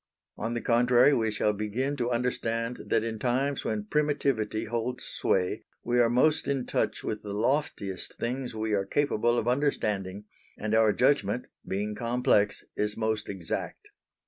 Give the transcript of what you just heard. On the contrary we shall begin to understand that in times when primitivity holds sway, we are most in touch with the loftiest things we are capable of understanding, and our judgment, being complex, is most exact.